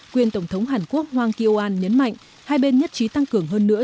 quyền tổng thống hàn quốc hwang kyo an nhấn mạnh hai bên nhất trí tăng cường hơn nữa